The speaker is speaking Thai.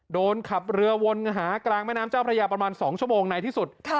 เดินขับเรือวนหากลางแม่น้ำเจ้าพระยาประมาณ๒ชั่วโมงในที่สุด